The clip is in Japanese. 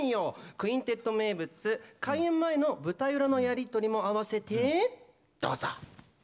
「クインテット」名物開演前の舞台裏のやり取りもあわせて、どうぞ！